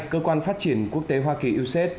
cơ quan phát triển quốc tế hoa kỳ ucs